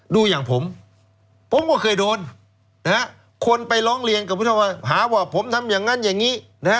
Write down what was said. ดูอย่างผมผมก็เคยโดนคนไปร้องเรียนกับพุทธว่าหาว่าผมทำอย่างนั้นอย่างนี้